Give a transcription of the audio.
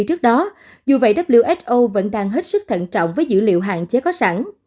trước đó dù vậy who vẫn đang hết sức thận trọng với dữ liệu hạn chế có sẵn